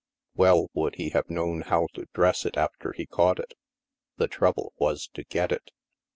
Well would he have known how to dress it after he caught it; the trouble was to get it.